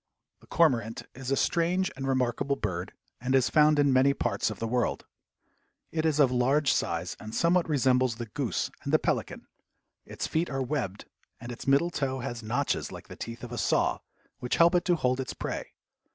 The cormorant is a strange and remarkable bird, and is found in many parts of the world. It is of large size and somewhat resembles the goose and the pelican. Its feet are webbed, and its middle toe has notches like the teeth of a saw, which help it to hold its prey.